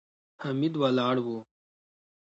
حميد ولاړ و.